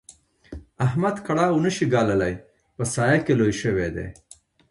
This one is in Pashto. احمد کړاو نه شي ګاللای؛ په سايه کې لوی شوی دی.